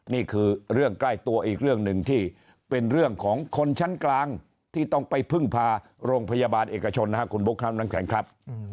นี่คือเรื่องใกล้ตัวอีกเรื่องหนึ่งที่เป็นเรื่องของคนชั้นกลางที่ต้องไปพึ่งพาโรงพยาบาลเอกชนนะครับคุณบุ๊คครับน้ำแข็งครับ